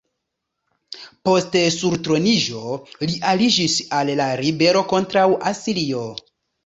Post surtroniĝo, li aliĝis al la ribelo kontraŭ Asirio.